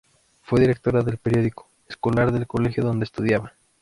Fue directora del periódico escolar del colegio donde estudiaba.